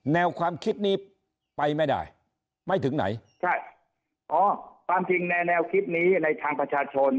แนวความคิดนี้ไปไม่ได้ไม่ถึงไหนใช่อ๋อความจริงในแนวคิดนี้ในทางประชาชน